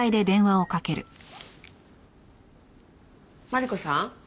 マリコさん？